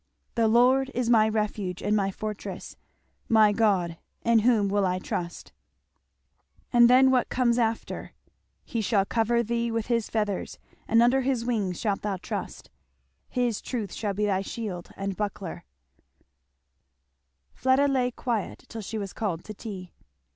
"The Lord is my refuge and my fortress; my God; in him will I trust." And then what comes after, "He shall cover thee with his feathers, and under his wings shalt thou trust; his truth shall be thy shield and buckler." Fleda lay quiet till she was called to tea.